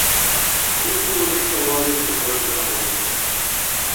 Рукі ў арыштаваных ужо развязаны.